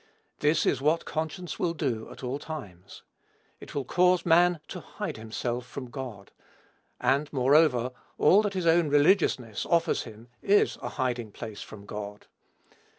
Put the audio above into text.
This is what conscience will do at all times. It will cause man to hide himself from God; and, moreover, all that his own religiousness offers him is a hiding place from God.